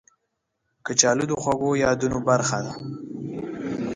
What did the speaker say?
کچالو د خوږو یادونو برخه ده